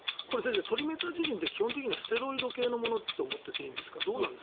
これ、先生トリメタジジンって基本的にはステロイド系のものと思っていいんですか？